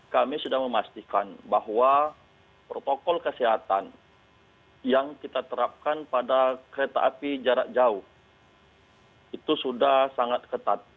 kami sudah memastikan bahwa protokol kesehatan yang kita terapkan pada kereta api jarak jauh itu sudah sangat ketat